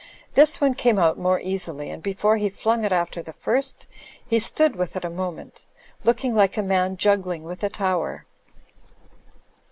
This one came out more easily; and before he flung it after the first, he stood with it a moment; looking like a man juggling with a tower.